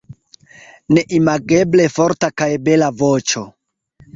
Neimageble forta kaj bela voĉo.